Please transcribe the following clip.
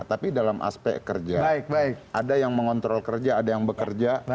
tapi dalam aspek kerja ada yang mengontrol kerja ada yang bekerja